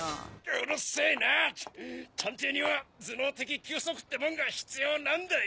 うるせぇな探偵には頭脳的休息ってもんが必要なんだよ！